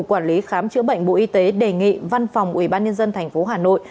bệnh viện hữu nghị văn phòng ubnd tp hà nội